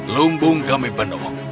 lumbung kami penuh